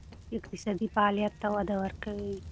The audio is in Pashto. امنیت اقتصادي فعالیت ته وده ورکوي.